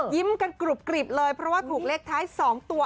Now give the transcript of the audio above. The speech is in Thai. กันกรุบกริบเลยเพราะว่าถูกเลขท้าย๒ตัว